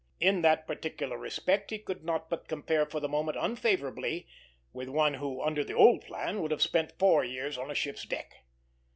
In that particular respect he could not but compare for the moment unfavorably with one who under the old plan would have spent four years on a ship's deck.